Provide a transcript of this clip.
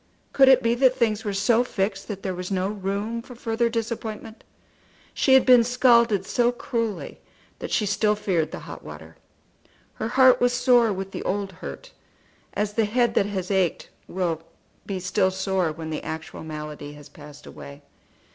Could it be that things were so fixed that there was no room for further disappointment? She had been scalded so cruelly that she still feared the hot water. Her heart was sore with the old hurt, as the head that has ached will be still sore when the actual malady has passed away.